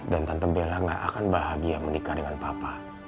dan tante bella gak akan bahagia menikah dengan papa